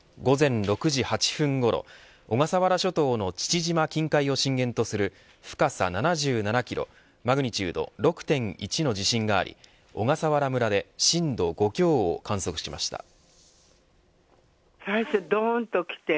午前６時８分ごろ小笠原諸島の父島近海を震源とする深さ７７キロマグニチュード６．１の地震があり小笠原村で震度５強を観測しました。